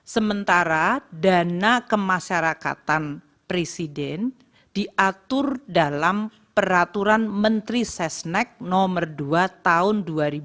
sementara dana kemasyarakatan presiden diatur dalam peraturan menteri sesnek nomor dua tahun dua ribu dua puluh